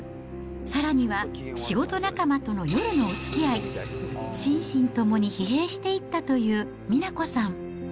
さらには、仕事仲間との夜のおつきあい、心身ともに疲弊していったという美奈子さん。